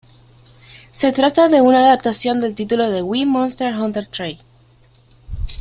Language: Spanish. Se trata de una adaptación del título de Wii Monster Hunter Tri.